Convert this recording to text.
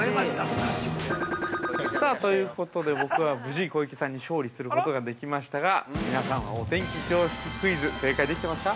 ◆ということで、僕は無事小池さんに勝利することができましたが、皆さんはお天気常識クイズ、正解できていますか。